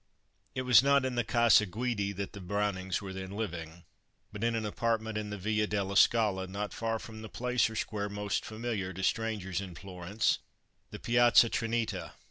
It was not in the Casa Guidi that the Brownings were then living, but in an apartment in the Via della Scala, not far from the place or square most familiar to strangers in Florence the Piazza Trinita.